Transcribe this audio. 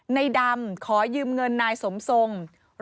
นายดำขอยืมเงินนายสมทรง๑๐๑